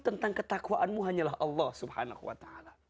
tentang ketakwaanmu hanyalah allah swt